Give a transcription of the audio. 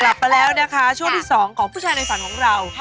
กลับมาแล้วนะคะช่วงที่สองของผู้ชายในฝันของเรา